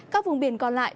các vùng biển còn lại